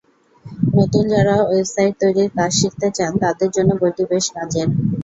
নতুন যাঁরা ওয়েবসাইট তৈরির কাজ শিখতে চান তাঁদের জন্য বইটি বেশ কাজের।